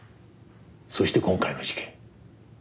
そして今回の事件。